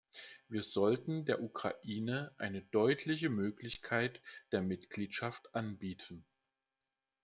Wir sollten der Ukraine eine deutliche Möglichkeit der Mitgliedschaft anbieten.